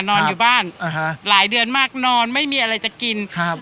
นอนอยู่บ้านอ่าฮะหลายเดือนมากนอนไม่มีอะไรจะกินครับ